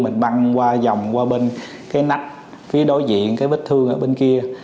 mình băng qua dòng qua bên cái nách phía đối diện cái vết thương ở bên kia